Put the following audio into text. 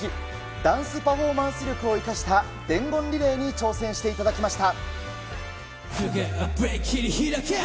ダンスパフォーマンス力を生かした伝言リレーに挑戦していただきました。